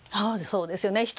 そうですよね。